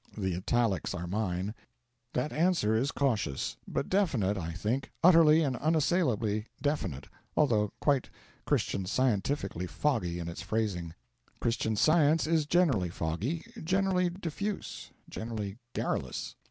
'_ (The italics are mine.) That answer is cautious. But definite, I think utterly and unassailably definite although quite Christian scientifically foggy in its phrasing. Christian Science is generally foggy, generally diffuse, generally garrulous.